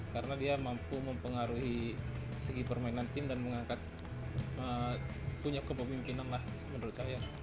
karena dia mampu mempengaruhi segi permainan tim dan mengangkat punya kepemimpinan lah menurut saya